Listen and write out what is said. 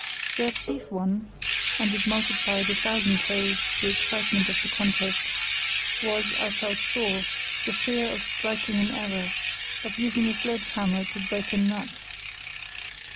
Their chief one—and it multiplied a thousandfold the excitement of the contest—was, I felt sure, the fear of striking in error; of using a sledge hammer to break a nut.